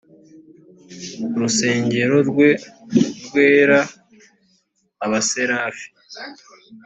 rusengero rwe rwera abaserafi